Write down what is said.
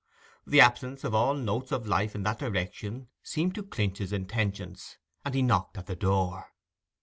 The absence of all notes of life in that direction seemed to clinch his intentions, and he knocked at the door.